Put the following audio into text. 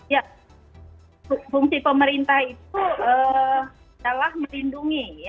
ya fungsi pemerintah itu adalah melindungi